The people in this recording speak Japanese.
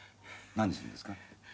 何するんですか？